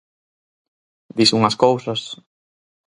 _Dis unhas cousas...